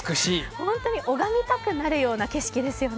本当に拝みたくなるような景色ですよね。